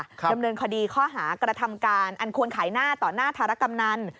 ดำเนินคดีข้อหากระทำการอันควรขายหน้าต่อหน้าธารกำนัน